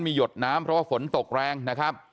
มีหยดน้ำเพราะว่าฝนตกแรงนะครับ